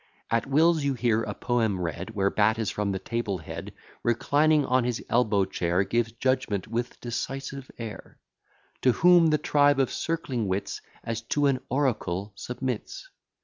At Will's you hear a poem read, Where Battus from the table head, Reclining on his elbow chair, Gives judgment with decisive air; To whom the tribe of circling wits As to an oracle submits.